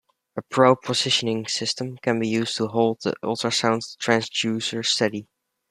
A probe positioning system can be used to hold the ultrasound transducer steady.